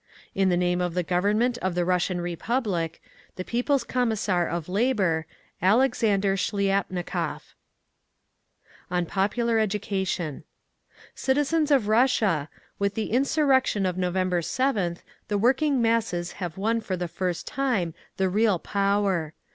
In the name of the Government of the Russian Republic, The People's Commissar of Labour, ALEXANDER SHLIAPNIKOV. On Popular Education Citizens of Russia! With the insurrection of November 7th the working masses have won for the first time the real power.